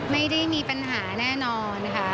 ไม่ได้มีปัญหาแน่นอนค่ะ